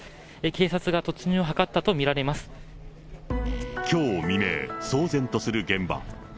警察が突入を図ったものと見られきょう未明、騒然とする現場。